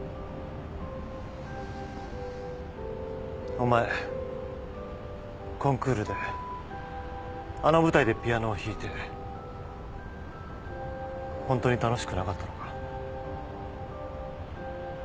お前コンクールであの舞台でピアノを弾いてホントに楽しくなかったのか？